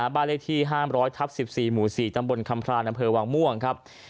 บ้านเลขที่๕๐๐ทับ๑๔หมู่๔ตำบลคำพรานอำเภอวังม่วงครับ